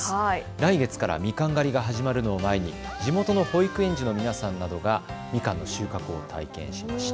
来月から、みかん狩りが始まるのを前に地元の保育園児の皆さんなどがみかんの収穫を体験しました。